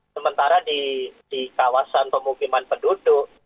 sementara di kawasan pemukiman penduduk